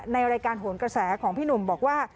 ในรายการโหนกระแสของพี่หนุ่มบอกว่า